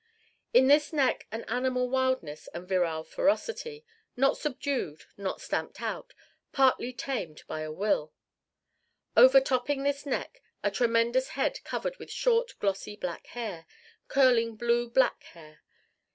In this neck an animal wildness and virile ferocity not subdued, not stamped out, partly tamed by a will. Overtopping this neck a tremendous head covered with short glossy black hair, curling blue black hair.